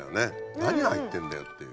何が入ってるんだよってっていう。